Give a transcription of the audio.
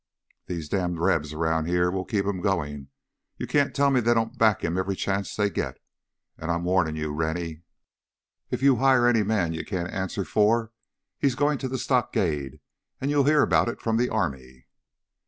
"These damned Rebs around here will keep him going! You can't tell me they don't back him every chance they get. And I'm warning you, Rennie, if you hire any man you can't answer for, he's going to the stockade and you'll hear about it from the army!"